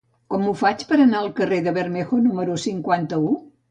Com ho faig per anar al carrer de Bermejo número cinquanta-u?